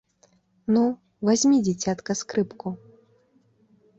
Ну, вазьмі, дзіцятка, скрыпку.